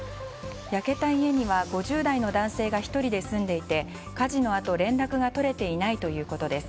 焼けた家には５０代の男性が１人で住んでいて火事のあと、連絡が取れていないということです。